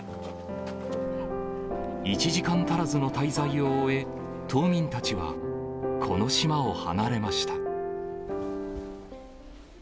１時間足らずの滞在を終え、島民たちはこの島を離れました。